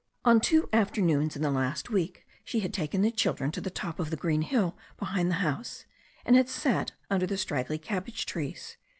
On two afternoons in the last week she had taken the children to the top of the green hill behind the house, and had sat under the straggly cabbage trees.